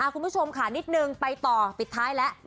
คุณผู้ชมค่ะนิดนึงไปต่อปิดท้ายแล้ว